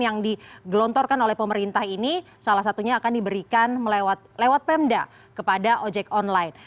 yang digelontorkan oleh pemerintah ini salah satunya akan diberikan lewat pemda kepada ojek online